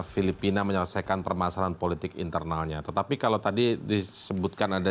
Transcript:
filipina menyelesaikan permasalahan politik internalnya tetapi kalau tadi disebutkan ada